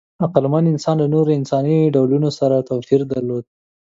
عقلمن انسانان له نورو انساني ډولونو سره توپیر درلود.